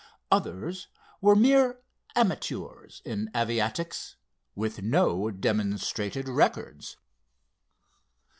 Others were mere amateurs in aviatics, with no demonstrated records.